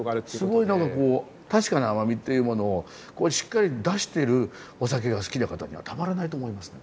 すごい何かこう確かな甘みっていうものをしっかり出してるお酒が好きな方にはたまらないと思いますね。